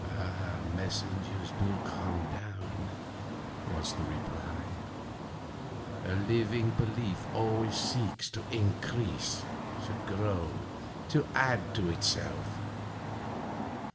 'Messengers do come down,' was the reply. 'A living belief always seeks to increase, to grow, to add to itself.